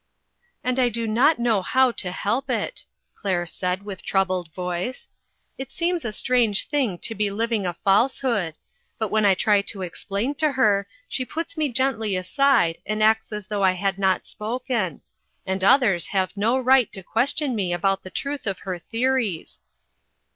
" And I do not know how to help it," Claire said, with troubled voice. "It seems a strange thing to be living a falsehood ; but when I try to explain to her, sjie puts me gently aside, and acts as though I had not spoken ; and others have no right to question me about the truth of her theo ries."